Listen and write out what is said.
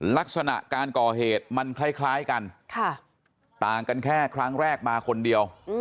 ลักษณะการก่อเหตุมันคล้ายกันต่างกันแค่ครั้งแรกมาคนเดียว